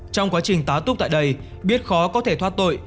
trong quá trình tá túc tại đây biết khó có thể thoát tội